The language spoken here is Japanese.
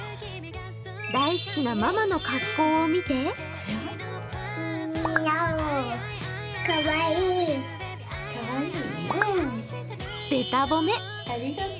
大好きなママの格好を見てべた褒め。